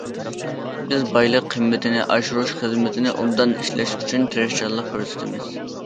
بىز بايلىق قىممىتىنى ئاشۇرۇش خىزمىتىنى ئوبدان ئىشلەش ئۈچۈن تىرىشچانلىق كۆرسىتىمىز.